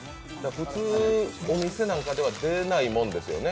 普通お店なんかでは出ないもんですよね？